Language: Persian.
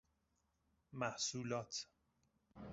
محصولات